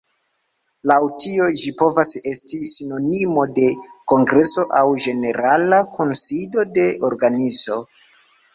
Laŭ tio ĝi povas esti sinonimo de kongreso aŭ ĝenerala kunsido de organizo.